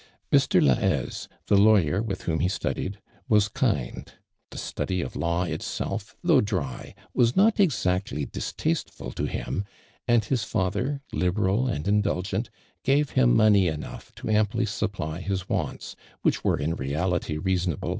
Mr. Laliaise, the lawyer with wlioni he studied, was kind — the study of law itself, though dry, was not exactly distasteful to him, and his father, liberal and indulgent, gave him money enough to amply supply his wants, which were in reality reasonable.